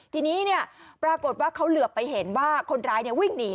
ทีนี้ปรากฏว่าเขาเหลือไปเห็นว่าคนร้ายวิ่งหนี